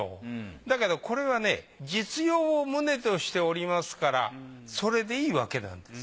だけどこれはね実用を旨としておりますからそれでいいわけなんです。